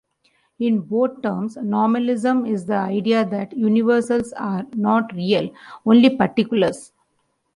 In broad terms, nominalism is the idea that "universals are not real, only particulars".